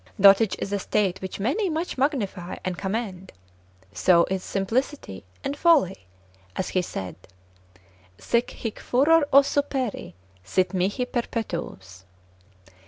Dotage is a state which many much magnify and commend: so is simplicity, and folly, as he said, sic hic furor o superi, sit mihi perpetuus.